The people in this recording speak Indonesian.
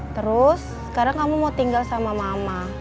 terus sekarang kamu mau tinggal sama mama